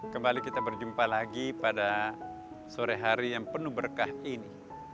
kembali kita berjumpa lagi pada sore hari yang penuh berkah ini